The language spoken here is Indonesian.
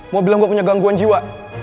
mau bilang gue punya gangguan jiwa